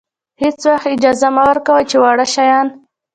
هېڅ وخت اجازه مه ورکوئ چې واړه شیان.